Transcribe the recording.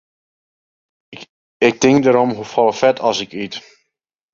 Ik tink derom hoefolle fet as ik yt.